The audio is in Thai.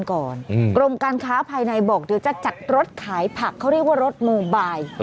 กรมการค้าภายในบอกเดี๋ยวจะจัดรถขายผักเขาเรียกว่ารถโมบาย